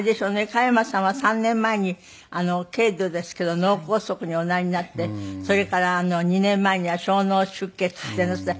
加山さんは３年前に軽度ですけど脳梗塞におなりになってそれから２年前には小脳出血っていうのをして。